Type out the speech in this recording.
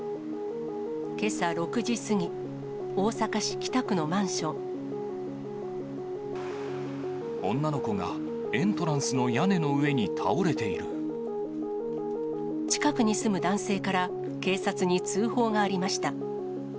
けさ６時過ぎ、大阪市北区のマン女の子がエントランスの屋根近くに住む男性から、警察に通報がありました。